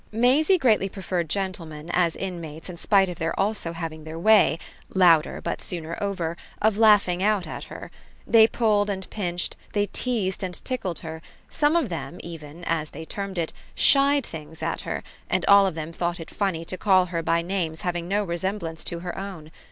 Maisie greatly preferred gentlemen as inmates in spite of their also having their way louder but sooner over of laughing out at her. They pulled and pinched, they teased and tickled her; some of them even, as they termed it, shied things at her, and all of them thought it funny to call her by names having no resemblance to her own.